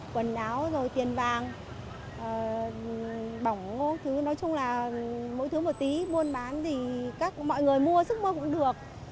quần áo rồi tiền vàng bỏng nói chung là mỗi thứ một tí mua bán thì mọi người mua sức mua cũng được